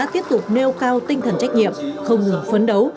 tiếp tục nêu cao tinh thần trách nhiệm không ngừng phấn đấu